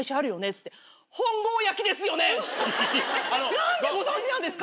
「何でご存じなんですか？」